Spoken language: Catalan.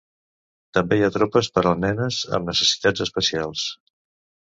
També hi ha tropes per a nenes amb necessitats especials.